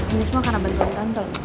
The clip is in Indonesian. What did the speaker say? ini semua karena bantuan tante loh